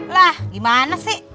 lah gimana sih